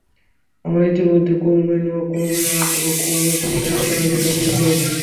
আমরা ইতিপূর্বে কওমে নূহ, কওমে আদ ও কওমে ছামূদ-এর আলোচনায় সেসব উল্লেখ করেছি।